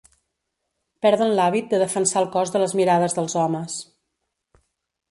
Perden l'hàbit de defensar el cos de les mirades dels homes.